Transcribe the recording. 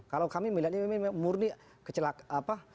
kalau kami melihatnya memang murni kecelakaan apa